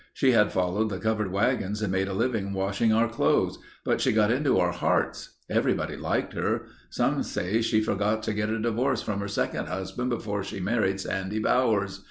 "She had followed the covered wagons and made a living washing our clothes, but she got into our hearts. Everybody liked her. Some say she forgot to get a divorce from her second husband before she married Sandy Bowers.